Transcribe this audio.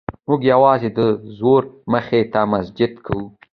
موږ یوازې د زور مخې ته سجده کوو.